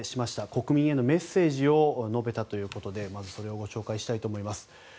国民へのメッセージを述べたということで紹介したいと思います。